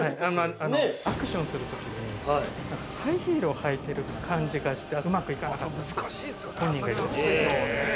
◆アクションするときに、ハイヒールを履いている感じがしてうまくいかなかったと、本人が言って。